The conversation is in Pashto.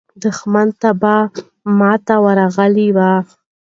دښمن ته به ماته ورغلې وه.